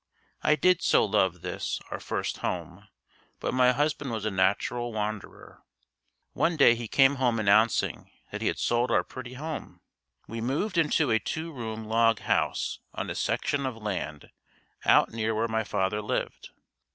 I did so love this, our first home, but my husband was a natural wanderer. One day he came home announcing that he had sold our pretty home. We moved into a two room log house on a section of land out near where my father lived.